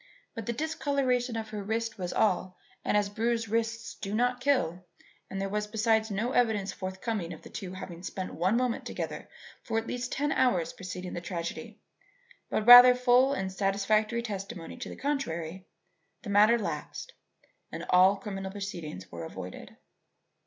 But the discoloration of her wrists was all, and as bruised wrists do not kill and there was besides no evidence forthcoming of the two having spent one moment together for at least ten hours preceding the tragedy but rather full and satisfactory testimony to the contrary, the matter lapsed and all criminal proceedings were avoided.